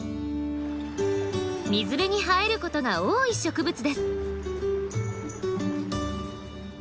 水辺に生えることが多い植物です。